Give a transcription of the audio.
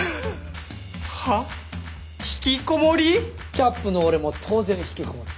キャップの俺も当然ひきこもり。